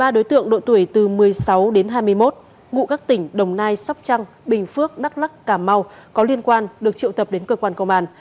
ba đối tượng độ tuổi từ một mươi sáu đến hai mươi một ngụ các tỉnh đồng nai sóc trăng bình phước đắk lắc cà mau có liên quan được triệu tập đến cơ quan công an